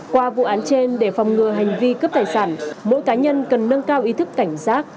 qua vụ án trên để phòng ngừa hành vi cướp tài sản mỗi cá nhân cần nâng cao ý thức cảnh giác